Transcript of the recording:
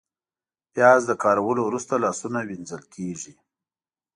پیاز له کارولو وروسته لاسونه وینځل کېږي